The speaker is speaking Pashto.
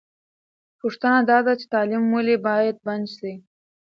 پوښتنه دا ده چې تعلیم ولې باید بند سي؟